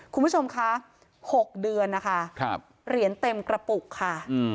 คุณผู้ชมค่ะหกเดือนนะคะครับเหรียญเต็มกระปุกค่ะอืม